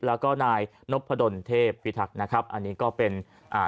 แล้วก็นายนพดลเทพพิทักษ์นะครับอันนี้ก็เป็นอ่า